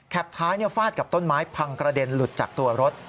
ท้ายฟาดกับต้นไม้พังกระเด็นหลุดจากตัวรถ